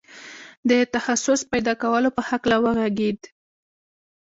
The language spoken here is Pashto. د تخصص پيدا کولو په هکله وغږېد.